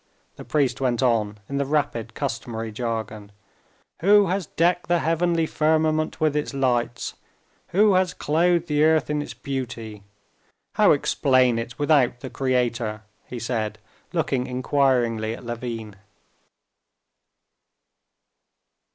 the priest went on in the rapid customary jargon. "Who has decked the heavenly firmament with its lights? Who has clothed the earth in its beauty? How explain it without the Creator?" he said, looking inquiringly at Levin.